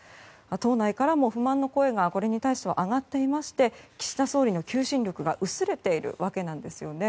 党内からも不満の声がこれに対しては上がっていまして岸田総理の求心力が薄れているわけなんですよね。